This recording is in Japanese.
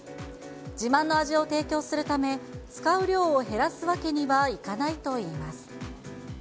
自慢の味を提供するため、使う量を減らすわけにはいかないといいます。